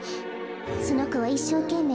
そのこはいっしょうけんめい